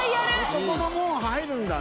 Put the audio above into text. そこに入るんだね。